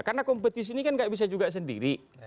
karena kompetisi ini kan nggak bisa juga sendiri